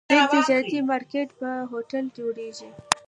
بل تجارتي مارکیټ یا هوټل جوړېږي.